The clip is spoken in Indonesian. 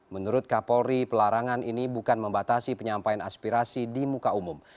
menurut kapolri pelarangan ini bukan membatasi penyampaian aspirasi di muka umum